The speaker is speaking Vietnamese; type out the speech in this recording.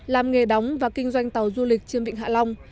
làm nghề đóng và kinh doanh tàu du lịch trên vịnh hạ long